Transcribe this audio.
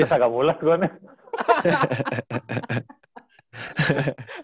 aduh agak mulas gua nih